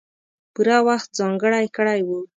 پوره وخت ځانګړی کړی وو.